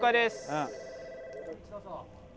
うん。